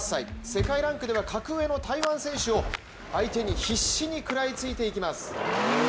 世界ランクでは格上の台湾選手を相手に必死に食らいついていきます。